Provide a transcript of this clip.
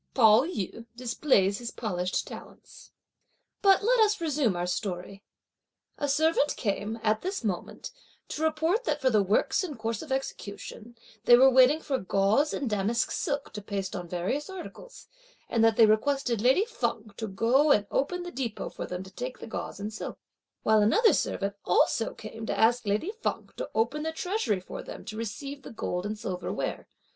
Pao yü displays his polished talents. But let us resume our story. A servant came, at this moment, to report that for the works in course of execution, they were waiting for gauze and damask silk to paste on various articles, and that they requested lady Feng to go and open the depôt for them to take the gauze and silk, while another servant also came to ask lady Feng to open the treasury for them to receive the gold and silver ware.